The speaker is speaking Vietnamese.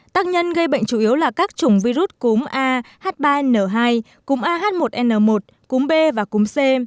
tác nhân gây bệnh chủ yếu là các chủng virus cúm ah ba n hai cúm ah một n một cúm b và cúm c